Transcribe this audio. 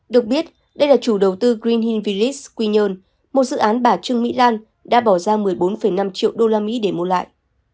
được biết đây là chủ đầu tư green hill village quy nhơn một dự án bả trưng mỹ lan đã bỏ ra một mươi bốn năm triệu usd để mua lại